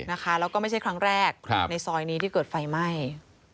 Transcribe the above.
แล้วก็ไม่ใช่ครั้งแรกในซอยนี้ที่เกิดไฟไหม้